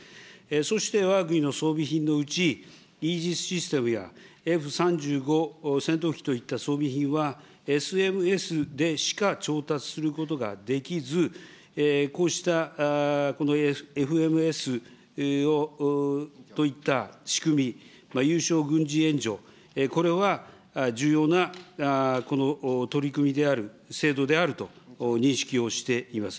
そして、わが国の装備品のうち、イージスシステムやＦ３５戦闘機といった装備品は、ＦＭＳでしか調達することができず、こうしたＦＭＳといった仕組み、有償軍事援助、これは重要なこの取り組みである、制度であると認識をしています。